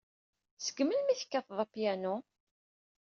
Seg melmi ay tekkateḍ apyanu?